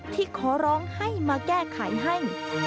ที่ขอร้องให้มาแก้ไขให้